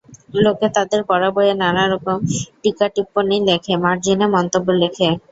লোকে তাদের পড়া বইয়ে নানা রকম টীকাটিপ্পনি লেখে, মার্জিনে মন্তব্য লেখে।